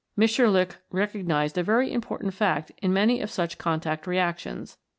Mitscherlich recognised a very important fact in many of such contact reactions, viz.